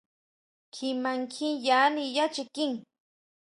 Kjima kjín yani yá chiquin.